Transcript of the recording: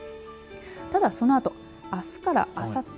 ただ、そのあとあすからあさって。